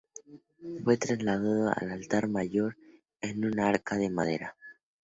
Fue trasladado al altar mayor, en un arca de madera.